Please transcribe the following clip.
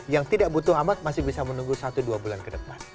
yang tidak butuh amat masih bisa menunggu satu dua bulan ke depan